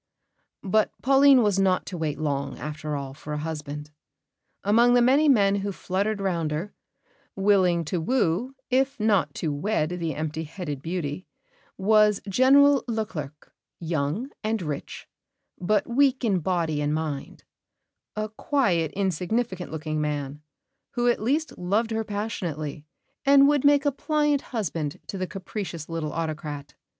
But Pauline was not to wait long, after all, for a husband. Among the many men who fluttered round her, willing to woo if not to wed the empty headed beauty, was General Leclerc, young and rich, but weak in body and mind, "a quiet, insignificant looking man," who at least loved her passionately, and would make a pliant husband to the capricious little autocrat.